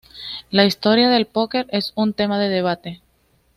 La historia del póquer es un tema de debate.